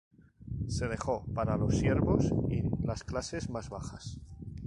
Se dejó para los siervos y las clases más bajas.